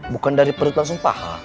bukan dari perut langsung paha